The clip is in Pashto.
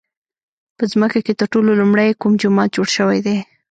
په ځمکه کې تر ټولو لومړی کوم جومات جوړ شوی دی؟